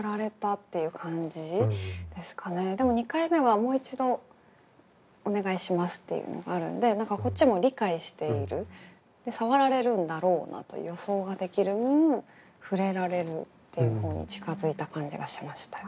でも２回目は「もう一度お願いします」っていうのがあるんで何かこっちも理解しているでさわられるんだろうなと予想ができる分ふれられるっていう方に近づいた感じがしましたよ。